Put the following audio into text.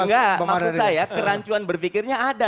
enggak maksud saya kerancuan berpikirnya ada